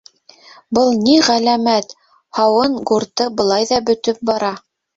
Был ни ғәләмәт?! һауын гурты былай ҙа бөтөп бара.